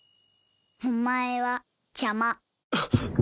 お前は邪魔。